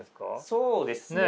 そうですね。